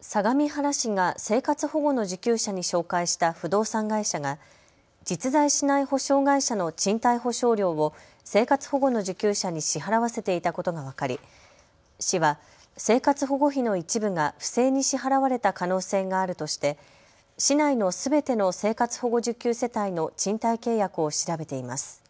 相模原市が生活保護の受給者に紹介した不動産会社が実在しない保証会社の賃貸保証料を生活保護の受給者に支払わせていたことが分かり、市は生活保護費の一部が不正に支払われた可能性があるとして市内のすべての生活保護受給世帯の賃貸契約を調べています。